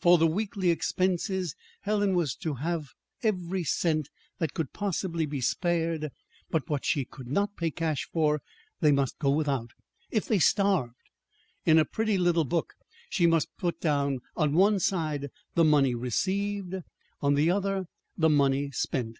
For the weekly expenses Helen was to have every cent that could possibly be spared; but what she could not pay cash for, they must go without, if they starved. In a pretty little book she must put down on one side the money received. On the other, the money spent.